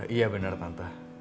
iya bener tante